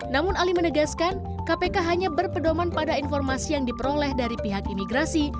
namun ali menegaskan kpk hanya berpedoman pada informasi yang diperoleh dari pihak imigrasi